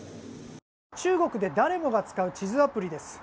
中国で誰もが使う地図アプリです。